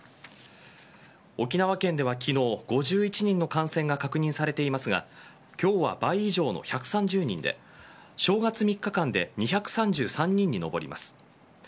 沖縄県では昨日５１人の感染が確認されていますが今日は倍以上の１３０人で正月３日間で２３３人に上ります。